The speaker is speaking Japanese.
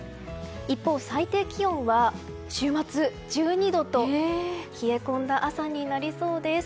一方、最低気温は週末１２度と冷え込んだ朝になりそうです。